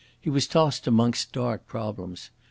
He was tossed amongst dark problems.